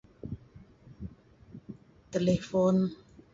Telefon.